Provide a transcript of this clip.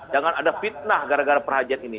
jangan ada fitnah gara gara perhajian ini